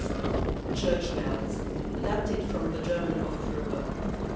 ] CHURCH BELLS (Adapted from the German of Froebel.